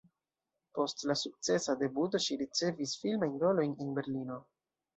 Post la sukcesa debuto ŝi ricevis filmajn rolojn en Berlino.